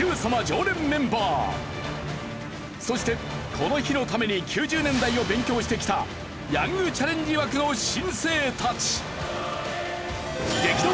常連メンバーそしてこの日のために９０年代を勉強してきたヤングチャレンジ枠の新星たち。